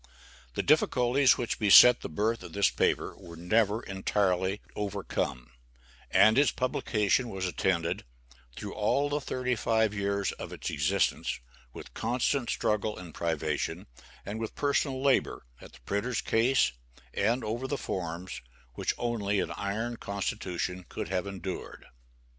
The difficulties which beset the birth of this paper were never entirely overcome, and its publication was attended, through all the thirty five years of its existence, with constant struggle and privation, and with personal labor, at the printer's case, and over the forms, which only an iron constitution could have endured.